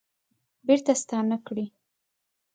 بیرته ستانه کړي